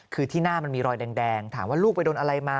คือที่หน้ามันมีรอยแดงถามว่าลูกไปโดนอะไรมา